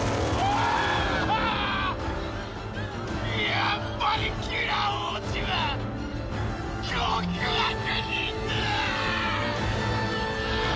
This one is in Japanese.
やっぱりギラ王子は極悪人だーっ！